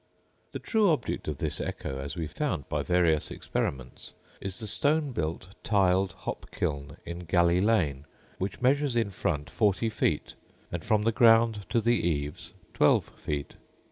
The true object of this echo, as we found by various experiments, is the stone built, tiled hop kiln in Galleylane, which measures in front 40 feet, and from the ground to the eaves 12 feet.